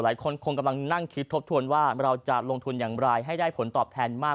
หลายคนคงกำลังนั่งคิดทบทวนว่าเราจะลงทุนอย่างไรให้ได้ผลตอบแทนมาก